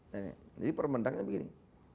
jadi permendaknya begini